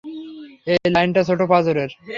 এই লাইনটা ছোট পাঁজরের।